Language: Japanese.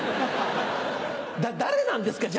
だ誰なんですか？